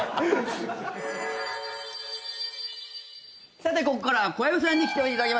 さてここからは小籔さんに来ていただきました。